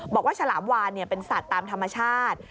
ฉลามวานเป็นสัตว์ตามธรรมชาติ